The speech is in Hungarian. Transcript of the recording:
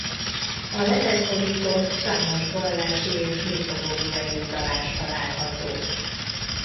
A lemezborítón számos vallási és mitológiai utalás található.